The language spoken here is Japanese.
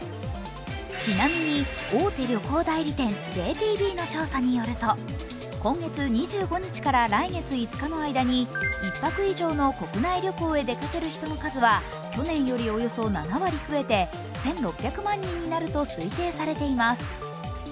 ちなみに大手行代理店・ＪＴＢの調査によると今月２５日から来月５日の間に１泊以上の国内旅行に出かける人の数は去年よりおよそ７割増えて１６００万人になると推定されています。